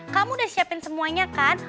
kamu udah siapin semuanya kan